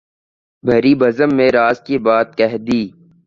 بھری بزم میں راز کی بات کہہ دی